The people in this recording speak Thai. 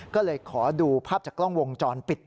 ก็เลยขอดูภาพจากกล้องวงจรปิด